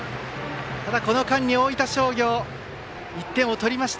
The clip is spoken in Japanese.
ただこの間に大分商業１点を取りました。